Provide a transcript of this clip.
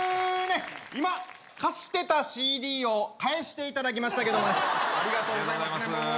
今貸してたＣＤを返していただきましたけどもありがとうございます